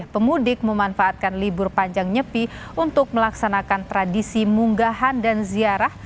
pemudik memanfaatkan libur panjang nyepi untuk melaksanakan tradisi munggahan dan ziarah